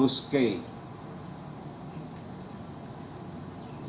yang bersangkutan tidak ada